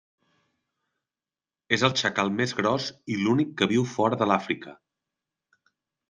És el xacal més gros i l'únic que viu fora de l'Àfrica.